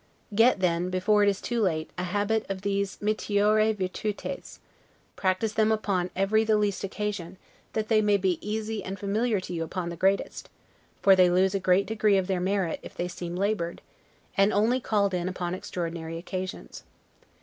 Get then, before it is too late, a habit of these 'mitiores virtutes': practice them upon every the least occasion, that they may be easy and familiar to you upon the greatest; for they lose a great degree of their merit if they seem labored, and only called in upon extraordinary occasions.